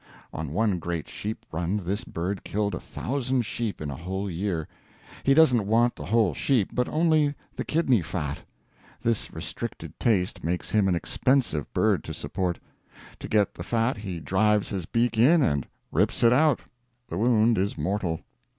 On one great sheep run this bird killed a thousand sheep in a whole year. He doesn't want the whole sheep, but only the kidney fat. This restricted taste makes him an expensive bird to support. To get the fat he drives his beak in and rips it out; the wound is mortal.